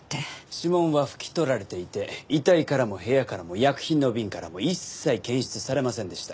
指紋は拭き取られていて遺体からも部屋からも薬品の瓶からも一切検出されませんでした。